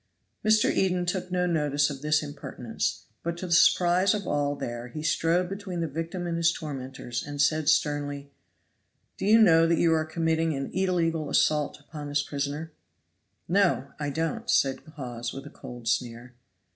Mr. Eden took no notice of this impertinence, but to the surprise of all there he strode between the victim and his tormentors, and said sternly, "Do you know that you are committing an illegal assault upon this prisoner?' "No, I don't," said Hawes, with a cold sneer.